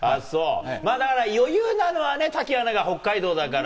だから余裕なのはね、滝アナが北海道だから。